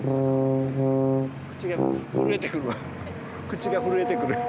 口が震えてくるわ。